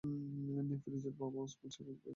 ফিরোজের বাবা ওসমান সাহেবের বয়স প্রায় ষাট।